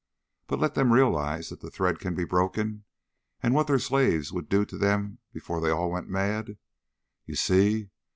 But let them realize that the thread can be broken, and what their slaves would do to them before they all went mad.... You see?